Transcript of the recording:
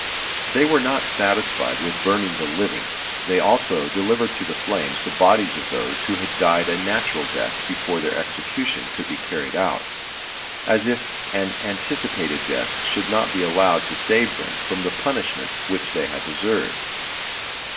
They were not satisfied with burning the living, they also delivered to the flames the bodies of those who had died a natural death before their execution could be carried out, as if an anticipated death should not be allowed to save them from the punishment which they had deserved.